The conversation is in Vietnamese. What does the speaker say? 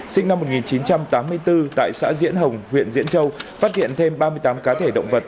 sinh năm một nghìn chín trăm tám mươi bốn tại xã diễn hồng huyện diễn châu phát hiện thêm ba mươi tám cá thể động vật